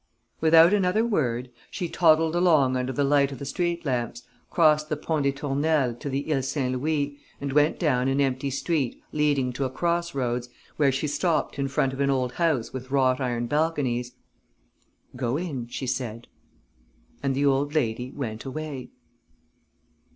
Without another word, she toddled along under the light of the street lamps, crossed the Pont des Tournelles to the Ile Saint Louis and went down an empty street leading to a cross roads, where she stopped in front of an old house with wrought iron balconies: "Go in," she said. And the old lady went away.